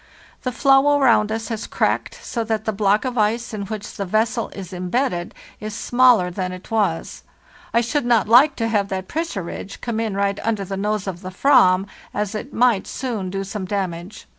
The floe around us has cracked, so that the block of ice in which the vessel is embedded is smaller than it was. I should not hke to have that pressure ridge come in right under the nose of the /vam, as it might soon do some damage.